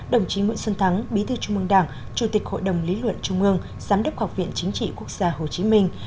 đồng chí nguyễn xuân thắng bí thư trung mương đảng chủ tịch hội đồng lý luận trung mương giám đốc học viện chính trị quốc gia hồ chí minh